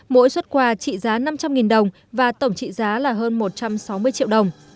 mỗi xuất quà trị giá năm trăm linh đồng và tổng trị giá là hơn một trăm sáu mươi triệu đồng